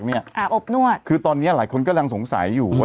อาบอบนวดคือตอนนี้หลายคนกำลังสงสัยอยู่ว่า